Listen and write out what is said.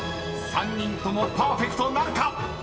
［３人ともパーフェクトなるか⁉］